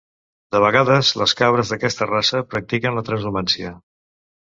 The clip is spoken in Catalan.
De vegades, les cabres d'aquesta raça practiquen la transhumància.